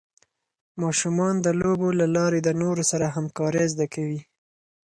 ماشومان د لوبو له لارې د نورو سره همکارۍ زده کوي.